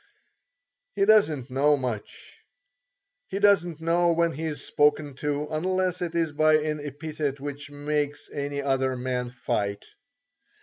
He doesn't know much. He doesn't know when he is spoken to, unless it is by an epithet which makes any other man fight.